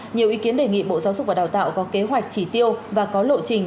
nhiều ý kiến đề nghị bộ giáo dục và đào tạo có kế hoạch chỉ tiêu và có lộ trình